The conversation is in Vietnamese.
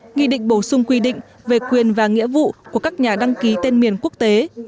nghị định bổ sung quy định về quyền và nghĩa vụ của các nhà đăng ký tên miền quốc tế